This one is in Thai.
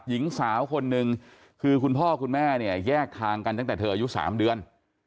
หญิงสาวคนนึงคือคุณพ่อคุณแม่เนี่ยแยกทางกันตั้งแต่เธออายุ๓เดือน